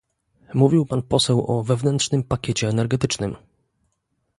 Mówił pan poseł o wewnętrznym pakiecie energetycznym